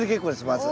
まず。